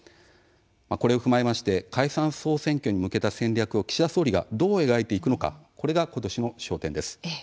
これを踏まえまして解散・総選挙に向けた戦略を岸田総理がどう描いていくのかこれが今年の焦点です。